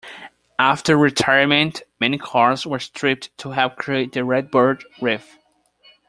After retirement, many cars were stripped to help create the Redbird Reef.